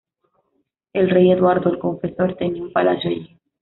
El rey Eduardo "el Confesor" tenía un palacio allí.